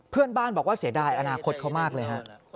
เพื่อนบ้านบอกว่าเสียดายอนาคตเขามากเลยฮะ